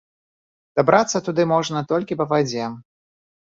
Дабрацца туды можна толькі па вадзе.